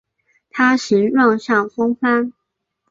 它形状像风帆。